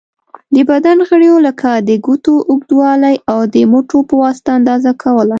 د بدن غړیو لکه د ګوتو اوږوالی، او د مټو په واسطه اندازه کوله.